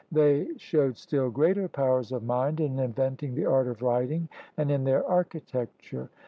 They showed still greater powers of mind in inventing the art of writing and in their architecture.